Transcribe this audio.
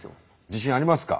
自信ありますか？